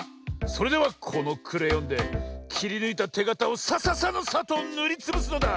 それではこのクレヨンできりぬいたてがたをサササのサッとぬりつぶすのだ！